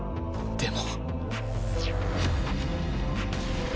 でも！